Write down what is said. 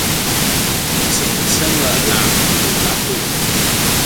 qucengecengel a u vatu